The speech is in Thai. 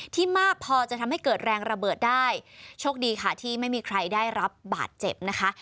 มากพอจะทำให้เกิดแรงระเบิดได้โชคดีค่ะที่ไม่มีใครได้รับบาดเจ็บนะคะ